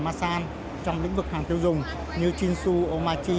masan trong lĩnh vực hàng tiêu dùng như jinsu omachi